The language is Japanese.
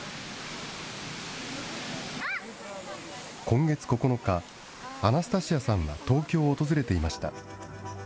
今月９日、アナスタシアさんは東京を訪れていました。